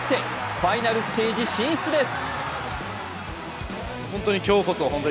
ファイナルステージ進出です。